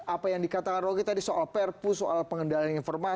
apa yang dikatakan rocky tadi soal perpu soal pengendalian informasi